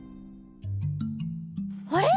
あれ？